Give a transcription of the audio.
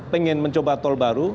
pengen mencoba tol baru